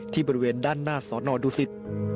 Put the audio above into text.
บริเวณด้านหน้าสอนอดูสิต